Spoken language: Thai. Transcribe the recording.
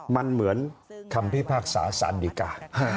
มันเหมือนคำพิพากษาสารดีกา